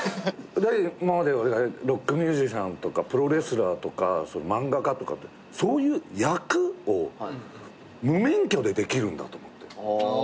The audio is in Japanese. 今まで俺がロックミュージシャンとかプロレスラーとか漫画家とかそういう役を無免許でできるんだと思って。